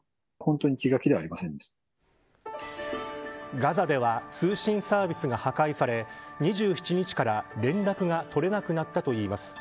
ガザでは通信サービスが破壊され２７日から連絡が取れなくなったといいます。